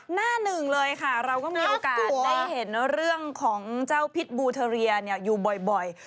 หน้าหนึ่งเลยค่ะเราก็มีโอกาสได้เห็นเรื่องของเจ้าพิษบูเทอเรียอยู่บ่อย